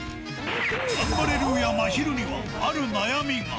ガンバレルーヤ・まひるには、ある悩みが。